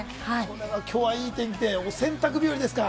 きょうは、いい天気で、洗濯日和ですか？